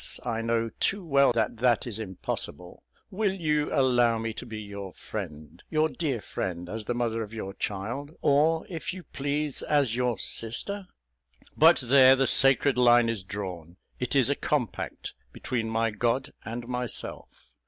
I know too well that that is impossible will you allow me to be your friend, your dear friend, as the mother of your child, or, if you please, as your sister? But there the sacred line is drawn; it is a compact between my God and myself.